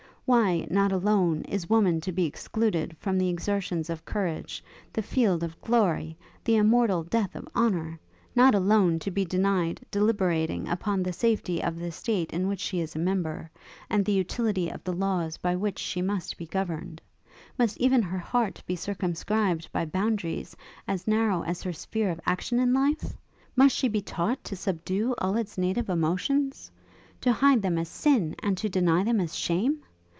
Why, not alone, is woman to be excluded from the exertions of courage, the field of glory, the immortal death of honour, not alone to be denied deliberating upon the safety of the state of which she is a member, and the utility of the laws by which she must be governed: must even her heart be circumscribed by boundaries as narrow as her sphere of action in life? Must she be taught to subdue all its native emotions? To hide them as sin, and to deny them as shame?